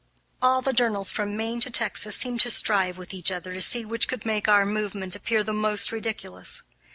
All the journals from Maine to Texas seemed to strive with each other to see which could make our movement appear the most ridiculous.